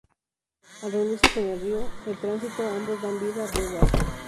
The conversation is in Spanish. Al reunirse con el río El Tránsito ambos dan vida al río Huasco.